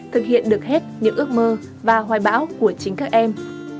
thực hiện được hết những ước mơ và hoài bão của chính các em